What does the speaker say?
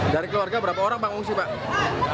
dari keluarga berapa orang bang mengungsi pak